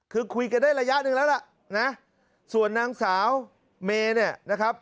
คือคุยกันได้ระยะหนึ่งแล้วล่ะนะส่วนนางสาวเมเนี่ยนะครับ